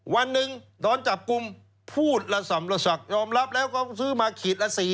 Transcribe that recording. วันหนึ่งโดนจับกลุ่มพูดละส่อมละสักยอมรับแล้วก็ซื้อมาขีดละ๔๐